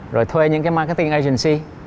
rồi thuê những cái marketing agency